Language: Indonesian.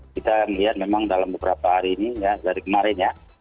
kita melihat memang dalam beberapa hari ini ya dari kemarin ya